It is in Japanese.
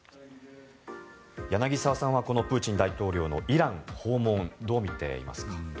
柳澤さんはこのプーチン大統領のイラン訪問をどう見ていますか？